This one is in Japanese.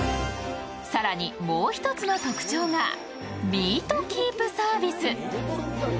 さらに、もう１つの特徴がミートキープサービス。